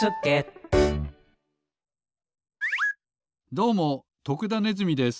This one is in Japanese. どうも徳田ネズミです。